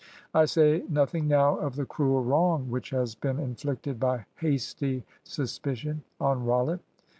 "I say nothing now of the cruel wrong which has been inflicted by hasty suspicion on Rollitt.